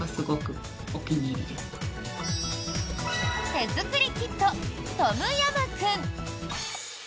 手づくりキットトムヤムクン。